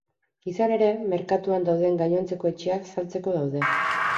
Izan ere, merkatuan dauden gainontzeko etxeak saltzeko daude.